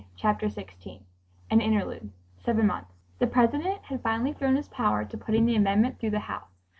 Chapter 16 An Interlude (Seven Months) The President had finally thrown his power to putting the amendment through the House.